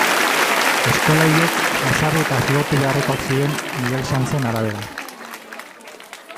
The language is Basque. Eskola horiek jazarri eta zigortu beharrekoak ziren Miguel Sanzen arabera.